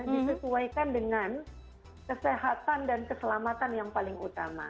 disesuaikan dengan kesehatan dan keselamatan yang paling utama